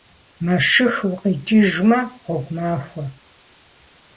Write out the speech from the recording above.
- Мэшых укъикӏыжмэ, гъуэгу махуэ.